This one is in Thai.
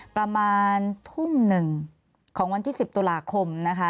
ประมาณทุ่มหนึ่งของวันที่๑๐ตุลาคมนะคะ